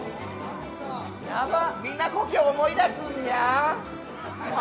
みんな、故郷を思い出すニャン。